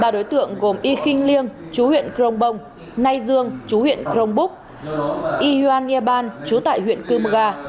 ba đối tượng gồm y kinh liêng chú huyện krong bông nay dương chú huyện krong búc y hoan nghia ban chú tại huyện cư mga